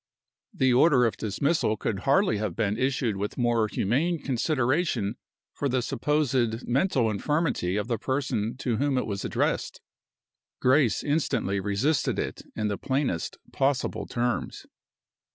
The order of dismissal could hardly have been issued with more humane consideration for the supposed mental infirmity of the person to whom it was addressed. Grace instantly resisted it in the plainest possible terms.